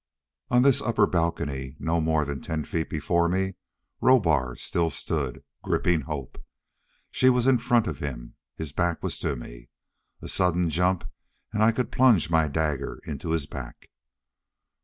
On this upper balcony, no more than ten feet before me, Rohbar still stood gripping Hope. She was in front of him. His back was to me. A sudden jump, and I could plunge my dagger into his back.